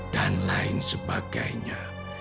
dan lain sebagainya